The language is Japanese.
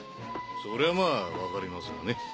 そりゃまぁ分かりますがね。